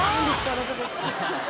あなたたち。